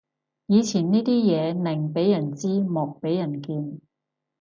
以前呢啲嘢寧俾人知莫俾人見